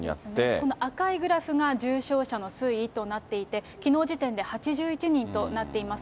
この赤いグラフが重症者の推移となっていて、きのう時点で８１人となっています。